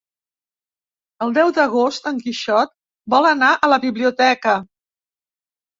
El deu d'agost en Quixot vol anar a la biblioteca.